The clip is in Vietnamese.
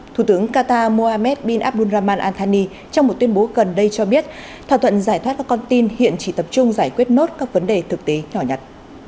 thủ tướng qatar mohammed bin abdulrahman antoni trong một tuyên bố gần đây cho biết thỏa thuận giải thoát các con tin hiện chỉ tập trung giải quyết nốt các vấn đề thực tế nhỏ nhặt